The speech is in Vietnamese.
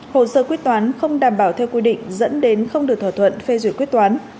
hồ sơ quyết toán không đảm bảo theo quy định dẫn đến không được thỏa thuận phê duyệt quyết toán